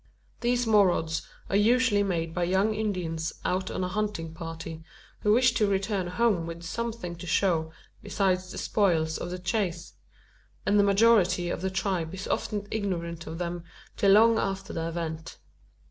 These marauds are usually made by young Indians out on a hunting party, who wish to return home with something to show besides the spoils of the chase; and the majority of the tribe is often ignorant of them till long after the event.